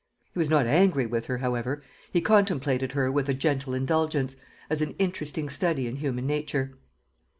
He was not angry with her, however. He contemplated her with a gentle indulgence, as an interesting study in human nature.